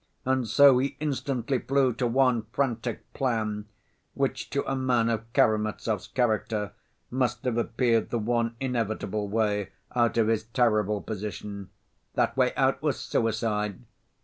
And so he instantly flew to one frantic plan, which, to a man of Karamazov's character, must have appeared the one inevitable way out of his terrible position. That way out was suicide.